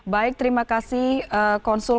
baik terima kasih konsul